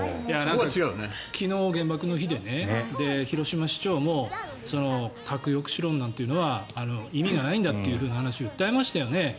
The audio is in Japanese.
昨日、原爆の日で広島市長も核抑止論なんていうのは意味がないんだという話を訴えましたよね。